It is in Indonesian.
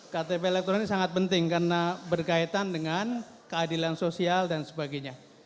ktp elektronik sangat penting karena berkaitan dengan keadilan sosial dan sebagainya